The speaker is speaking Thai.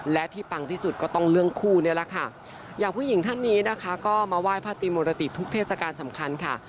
และที่ปังที่สุดก็ต้องเรื่องคู่นี่แหละค่ะอย่างผู้หญิงท่านนี้นะคะก็มาไหว้พระติมรติทุกเทศกาลสำคัญค่ะ